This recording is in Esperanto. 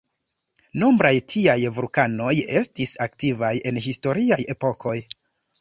Nombraj tiaj vulkanoj estis aktivaj en historiaj epokoj.